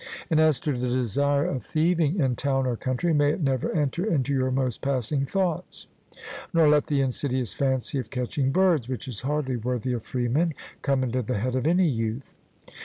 And as to the desire of thieving in town or country, may it never enter into your most passing thoughts; nor let the insidious fancy of catching birds, which is hardly worthy of freemen, come into the head of any youth.